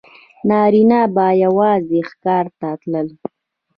نارینه به یوازې ښکار ته تلل.